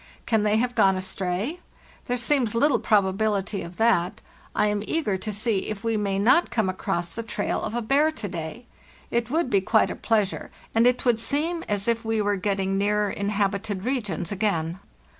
Can they have gone astray? There seems little probability of that. I am eager to see if we may not come across the trail of a bear to day. It would be quite a pleasure, and it would seem as if we were getting nearer inhabited regions again.